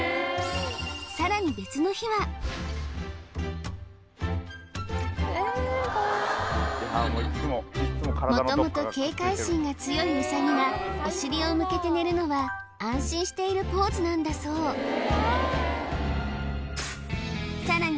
さらに別の日は元々警戒心が強いウサギがお尻を向けて寝るのは安心しているポーズなんだそうさらに